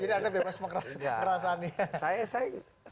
jadi anda bebas mengkerasannya